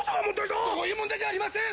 そういう問題じゃありません！